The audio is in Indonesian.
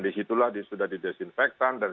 disitulah sudah didesinfektan dan